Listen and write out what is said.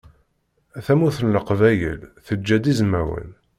Tamurt n leqbayel teǧǧa-d izmawen.